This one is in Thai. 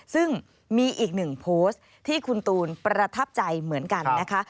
ซึ่งมีอีกหนึ่งโพสต์ที่คุณตูนประทับใจเหมือนกันนะคะ